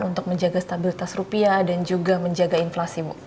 untuk menjaga stabilitas rupiah dan juga menjaga inflasi bu